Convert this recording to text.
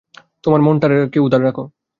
তোমার মনটাকে উদার রেখো।